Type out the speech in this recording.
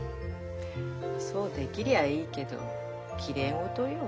そうできりゃいいけどきれい事よ。